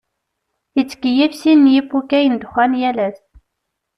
Yettkeyyif sin n yipukay n ddexxan yal ass.